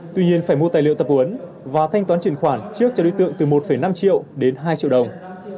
tuy nhiên phải mua tài liệu tập huấn và thanh toán truyền khoản trước cho đối tượng từ một năm triệu đến hai triệu đồng